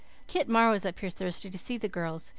"Kitt Mar was up here Thursday to see the girls.